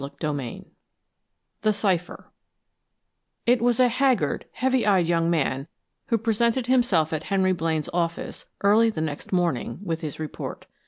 CHAPTER XII THE CIPHER It was a haggard, heavy eyed young man who presented himself at Henry Blaine's office, early the next morning, with his report.